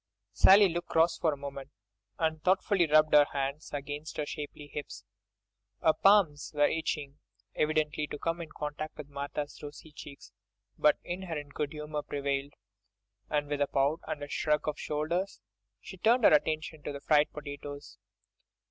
Sally looked cross for a moment, and thoughtfully rubbed her hands against her shapely hips; her palms were itching, evidently, to come in contact with Martha's rosy cheeks—but inherent good humour prevailed, and with a pout and a shrug of the shoulders, she turned her attention to the fried potatoes.